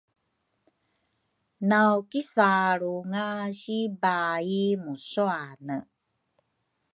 naw kisaalrunga si baai musuane